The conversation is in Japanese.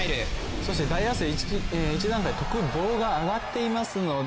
そしてダイアースで一段階とくぼうが上がっていますので。